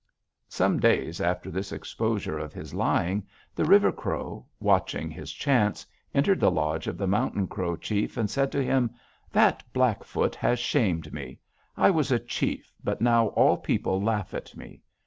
"Some days after this exposure of his lying, the River Crow, watching his chance, entered the lodge of the Mountain Crow chief and said to him: 'That Blackfoot has shamed me. I was a chief, but now all people laugh at me.